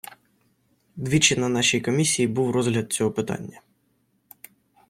Двічі на нашій комісії був розгляд цього питання.